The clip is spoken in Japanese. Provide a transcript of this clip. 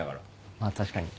まぁ確かに。